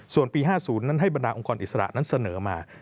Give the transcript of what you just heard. ส่วนปี๕๐ให้บรรดาองค์กรออกการออกการอิสระนั้นเสนอมา